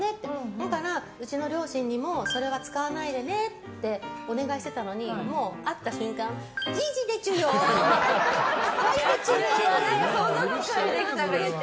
だから、うちの両親にもそれは使わないでねってお願いしていたのに会った瞬間じいじでちゅよかわいいでちゅねって。